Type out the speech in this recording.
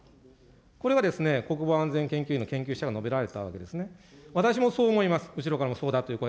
これがですね、国防安全研究の研究者が述べられたわけですね。